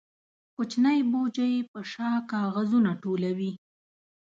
کوچنی بوجۍ په شا کاغذونه ټولوي.